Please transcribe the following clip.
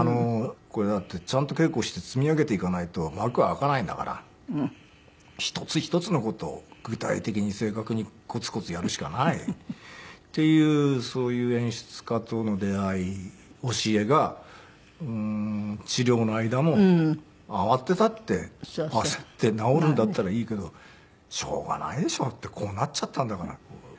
だってちゃんと稽古して積み上げていかないと幕は開かないんだから一つ一つの事を具体的に正確にコツコツやるしかないっていうそういう演出家との出会い教えが治療の間も慌てたって焦って治るんだったらいいけどしょうがないでしょってこうなっちゃったんだから。